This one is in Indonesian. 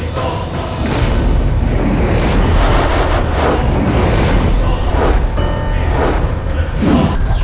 kau adalah musuh ayah dana